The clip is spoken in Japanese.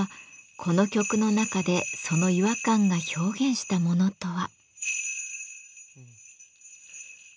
この曲の中でその違和感が表現したものとは。